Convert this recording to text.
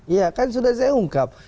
iya kan sudah saya ungkap